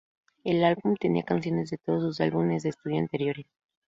El álbum tenía canciones de todos sus álbumes de estudio anteriores.